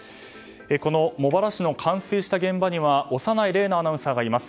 この茂原市の冠水した現場には小山内鈴奈アナウンサーがいます。